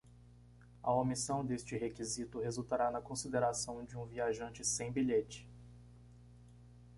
A omissão deste requisito resultará na consideração de um viajante sem bilhete.